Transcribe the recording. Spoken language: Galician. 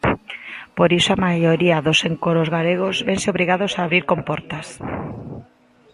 Por iso a maioría dos encoros galegos vense obrigados a abrir comportas.